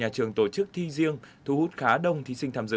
các trường tổ chức thi riêng thu hút khá đông thí sinh tham dự